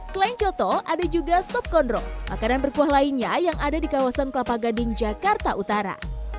selain coto ada juga sop kondro makanan berkuah lainnya yang ada di kawasan kelapa gading jakarta utara